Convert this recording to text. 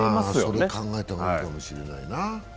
それ考えた方がいいかもしれないな。